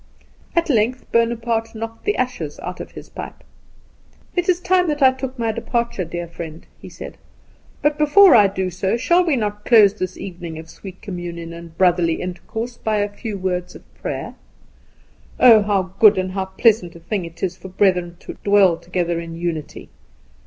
At length Bonaparte knocked the ashes out of his pipe. "It is time that I took my departure, dear friend," he said; "but, before I do so, shall we not close this evening of sweet communion and brotherly intercourse by a few words of prayer? Oh, how good and how pleasant a thing it is for brethren to dwell together in unity!